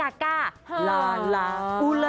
ลาลาอูลาลาอูลาอูลาอูลาอูลาอูลาอูลาอูลาอูลา